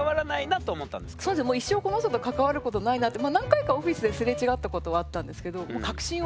そうですねもう一生この人と関わることないなってまあ何回かオフィスですれ違ったことはあったんですけど。